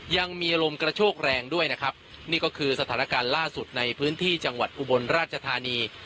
ยังมีลมกระโชกแรงด้วยนะครับนี่ก็คือสถานการณ์ล่าสุดในพื้นที่จังหวัดอุบลราชธานี